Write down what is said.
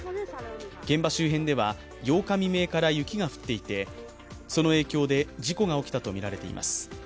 現場周辺では８日未明から雪が降っていてその影響で事故が起きたとみられています。